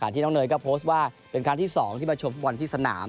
ที่น้องเนยก็โพสต์ว่าเป็นครั้งที่๒ที่มาชมฟุตบอลที่สนาม